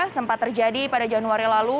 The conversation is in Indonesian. sempat terjadi pada januari lalu